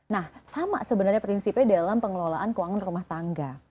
nah sama sebenarnya prinsipnya dalam pengelolaan keuangan rumah tangga